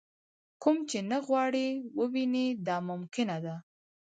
کوم چې نه غواړئ ووینئ دا ممکنه ده.